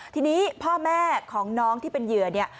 ทีนี้พ่อแม่ของน้องที่เป็นเหยื่อเนี่ย